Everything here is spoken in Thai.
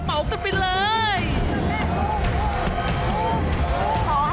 เฮ่ยแต่ละคนเนอะ